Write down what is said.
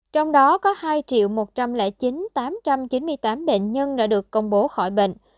trong đó có hai một trăm linh chín tám trăm chín mươi tám bệnh nhân đã được công bố khỏi bệnh